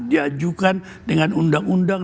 diajukan dengan undang undang